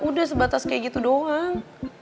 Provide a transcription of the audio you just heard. udah sebatas kayak gitu doang